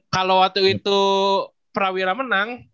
kalau waktu itu prawira menang